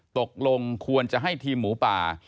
ตกลงควรจะให้ทีมหมูป่า